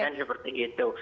kan seperti itu